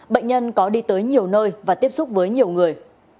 bệnh nhân có đi tới nhiều nơi và tiếp xúc với nhiều người